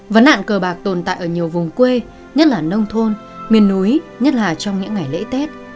vấn nạn cờ bạc tồn tại ở nhiều vùng quê nhất là nông thôn miền núi nhất là trong những ngày lễ tết